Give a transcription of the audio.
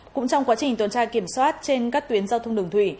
cũng trong quá trình tuần tra kiểm soát trên các tuyến giao thông đường thủy